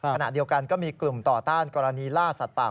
ขณะเดียวกันก็มีกลุ่มต่อต้านกรณีล่าสัตว์ป่า